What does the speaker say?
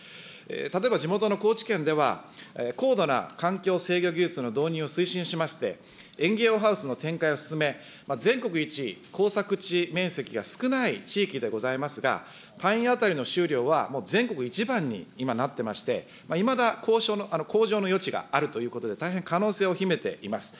例えば地元の高知県では、高度な環境制御技術の導入を推進しまして、園芸用ハウスの展開を進め、全国一耕作地面積が少ない地域でございますが、単位当たりの収量はもう全国一番に今、なってまして、いまだ向上の余地があるということで、大変可能性を秘めています。